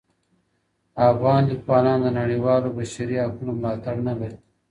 افغان لیکوالان د نړیوالو بشري حقونو ملاتړ نه لري.